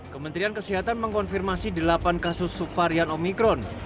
kementerian kesehatan mengkonfirmasi delapan kasus subvarian omikron